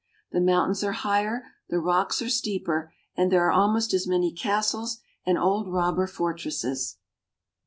The mountains are higher, the rocks are steeper, and there are almost as many castles and old robber fortresses.